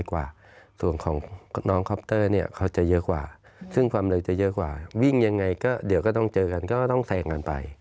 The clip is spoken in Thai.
วิ่งยังไงเดี๋ยวก็ต้องเจอกันก็ต้องแสงกันไป